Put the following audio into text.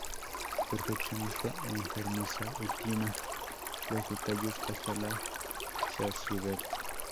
Perfeccionista enfermiza, ultima los detalles hasta la saciedad.